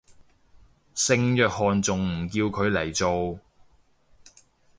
聖約翰仲唔叫佢嚟做